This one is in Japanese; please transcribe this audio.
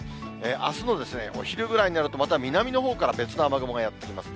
あすのお昼ぐらいになるとまた南のほうから別の雨雲がやって来ます。